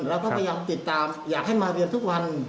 เราก็พยายามติดตามอยากให้มาเรียนทุกวัน